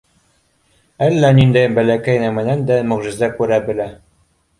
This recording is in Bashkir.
Әллә ниндәй бәләкәй нәмәнән дә мөғжизә күрә белә.